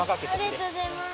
ありがとうございます。